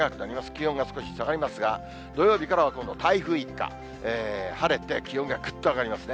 気温が少し下がりますが、土曜日からは今度、台風一過、晴れて気温がぐっと上がりますね。